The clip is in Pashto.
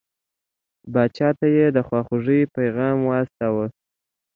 پاچا ته یې د خواخوږی پیغام واستاوه.